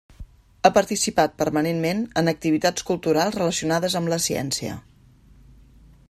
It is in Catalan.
Ha participat permanentment en activitats culturals relacionades amb la ciència.